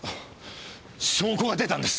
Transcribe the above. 証拠が出たんです！